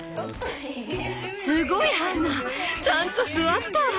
すごいハンナちゃんと座ったわ！